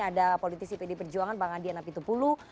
ada politisi pd perjuangan bang adian apitupulu